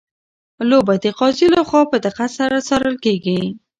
لوبه د قاضي لخوا په دقت سره څارل کیږي.